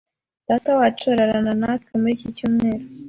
Datawacu ararana natwe muri iki cyumweru.